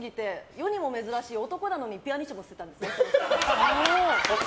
世にも珍しい、男なのにピアニッシモを吸ってたんです。